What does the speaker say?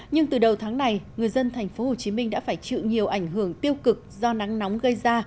nhưng từ đầu tháng này người dân tp hcm đã phải chịu nhiều ảnh hưởng tiêu cực do nắng nóng gây ra